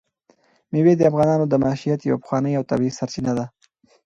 مېوې د افغانانو د معیشت یوه پخوانۍ او طبیعي سرچینه ده.